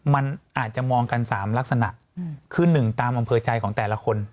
มันอาจจะมองกัน๓ลักษณะคือ๑ตามอำเภอใจของแต่ละคน